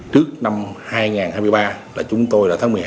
trước năm hai nghìn hai mươi ba là chúng tôi là tháng một mươi hai